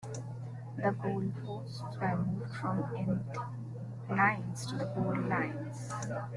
The goal posts were moved from the endlines to the goal lines.